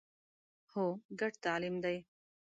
هو، ګډ تعلیم دی